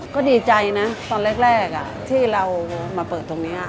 ก็ดีใจนะตอนแรกที่เรามาเปิดตรงนี้